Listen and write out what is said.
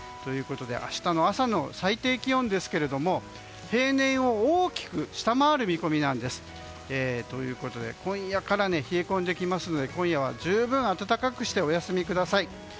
明日の朝の最低気温ですけども平年を大きく下回る見込みです。ということで今夜から冷え込んできますので今夜は十分暖かくしてお休みください。